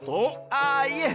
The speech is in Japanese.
あっいえ。